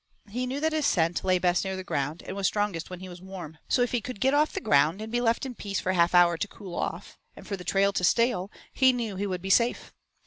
He knew that his scent lay best near the ground, and was strongest when he was warm. So if he could get off the ground, and be left in peace for half an hour to cool off, and for the trail to stale, he knew he would be safe.